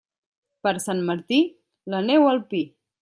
Per Sant Martí, la neu al pi.